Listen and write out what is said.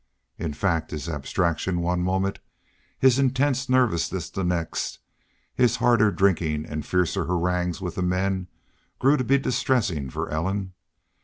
In fact, his abstraction one moment, his intense nervousness the next, his harder drinking and fiercer harangues with the men, grew to be distressing for Ellen.